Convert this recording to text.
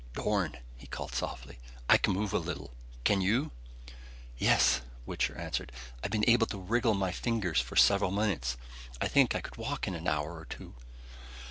"Dorn!" he called softly, "I can move a little! Can you?" "Yes," Wichter answered, "I've been able to wriggle my fingers for several minutes. I think I could walk in an hour or two."